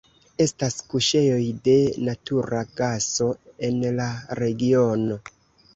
Estas kuŝejoj de natura gaso en la regiono.